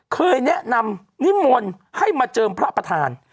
เคยแนะนำนิมนต์ให้มาเจิมพระประธาน